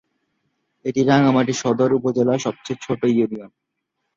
এটি রাঙ্গামাটি সদর উপজেলার সবচেয়ে ছোট ইউনিয়ন।